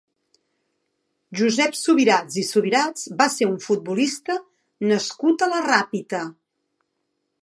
Josep Subirats i Subirats va ser un futbolista nascut a la Ràpita.